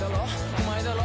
お前だろ？